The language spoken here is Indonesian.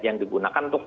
yang digunakan untuk